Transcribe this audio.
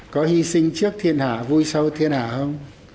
có hy sinh trước thiên hạ vui sâu thiên hạ không